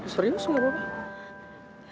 serius engga apa apa